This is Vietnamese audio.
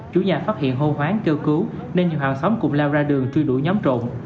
chủ nhà phát hiện hô hoáng kêu cứu nên nhiều hàng xóm cùng lao ra đường truy đuổi nhóm trộm